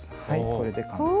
これで完成。